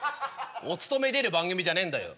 おつとめに出る番組じゃねえんだよ。